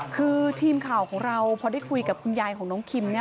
คือทีมข่าวของเราพอได้คุยกับคุณยายของน้องคิม